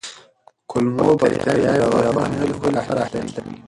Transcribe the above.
کولمو بکتریاوې د رواني ناروغیو لپاره اهمیت لري.